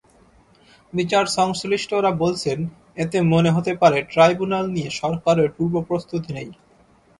বিচারসংশ্লিষ্টরা বলছেন, এতে মনে হতে পারে, ট্রাইব্যুনাল নিয়ে সরকারের পূর্বপ্রস্তুতি নেই।